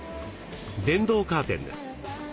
電動カーテンです。